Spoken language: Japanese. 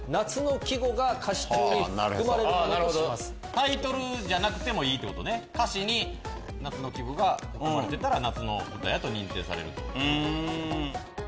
タイトルじゃなくてもいい歌詞に夏の季語が含まれてたら夏の歌やと認定される。